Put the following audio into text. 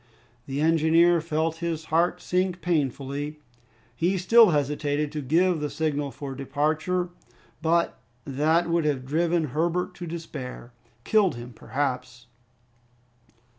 The engineer felt his heart sink painfully. He still hesitated to give the signal for departure; but that would have driven Herbert to despair killed him perhaps.